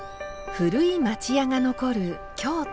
古い町家が残る京都。